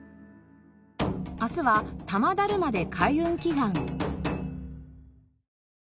明日は多摩だるまで開運祈願。